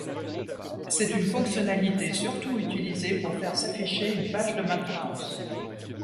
C'est une fonctionnalité surtout utilisée pour faire s'afficher une page de maintenance.